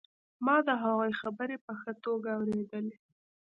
ما د هغوی خبرې په ښه توګه اورېدلې